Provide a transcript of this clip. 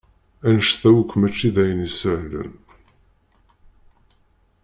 Annect-a akk mačči d ayen isehlen.